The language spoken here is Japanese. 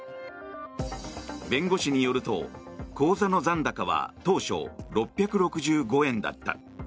弁護士によると口座の残高は当初、６６５円だった。